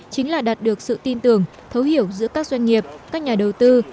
chính là đạt được sự tin tưởng thấu hiểu giữa các doanh nghiệp các nhà đầu tư